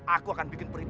aku akan bikin perintah